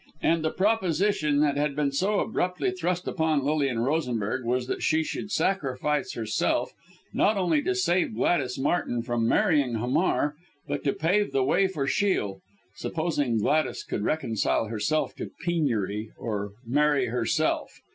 And the proposition, that had been so abruptly thrust upon Lilian Rosenberg, was that she should sacrifice herself, not only to save Gladys Martin from marrying Hamar, but to pave the way for Shiel, supposing Gladys could reconcile herself to penury, to marry her himself.